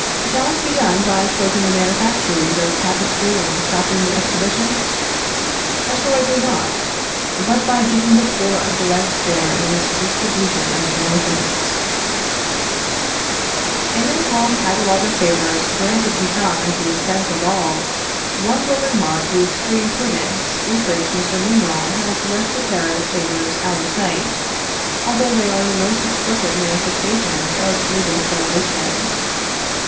Shall it be done by closing the manufactories of tapestry and stopping the exhibitions? Assuredly not; but by giving the poor a direct share in this distribution of benefits." In this long catalogue of favors granted to some at the expense of all, one will remark the extreme prudence with which Mr. Mimerel has left the tariff favors out of sight, although they are the most explicit manifestations of legal spoliation.